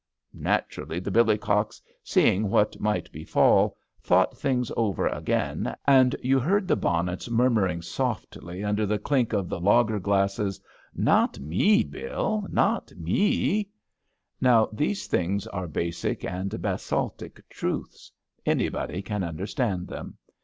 Naturally, the billycocks, seeing what might be fall, thought things over again, and you heard the bonnets murmuring softly under the clink of the lager glasses: Not me, Bill. Not we/'' Now these things are basic and basaltic truths. Anybody can understand them.